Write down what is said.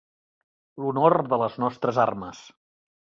L'honor de les nostres armes.